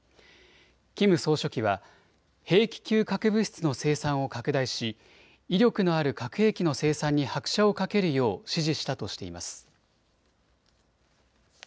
キム総書記は兵器級核物質の生産を拡大し威力のある核兵器の生産に拍車をかけるよう指示したとしています。